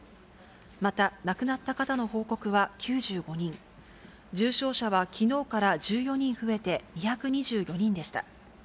また、亡くなった方の報告は９５人、重症者はきのうから１４人増えて２２４人でした。